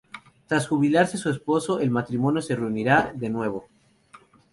Tras jubilarse su esposo, el matrimonio se reuniría de nuevo.